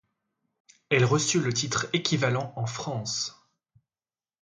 Elle reçut le titre équivalent en France.